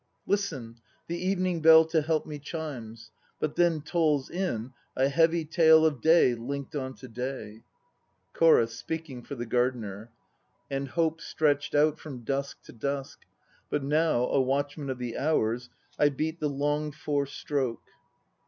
Listen! the evening bell to help me chimes; But then tolls in A heavy tale of day linked on to day, CHORUS (speaking for the GARDENER). And hope stretched out from dusk to dusk. But now, a watchman of the hours, I beat The longed for stroke.